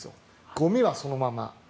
ゴミはそのまま。